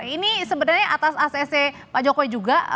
ini sebenarnya atas acc pak jokowi juga